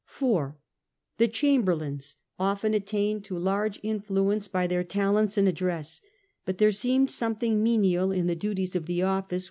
^ 4°. The Chamberlains often attained to large in fluence by their talents and address ; bht there seemed something menial in the duties of the office, ^ ^ubj.